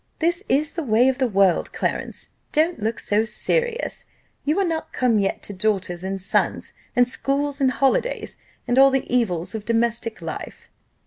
This is the way of the world, Clarence. Don't look so serious you are not come yet to daughters and sons, and schools and holidays, and all the evils of domestic life."